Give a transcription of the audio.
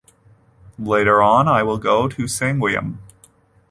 Later on I will go to Sanguem.